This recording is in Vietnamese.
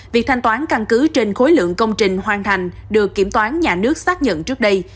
việc thanh toán căn cứ trên khối lượng công trình hoàn thành được kiểm toán nhà nước xác nhận trước đây